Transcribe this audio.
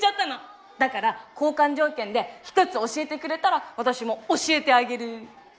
だから交換条件で一つ教えてくれたら私も教えてあげる。